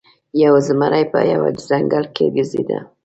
یو زمری په یوه ځنګل کې ګرځیده.